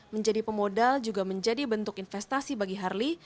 menjadi pemodal juga menjadi bentuk investasi bagi harley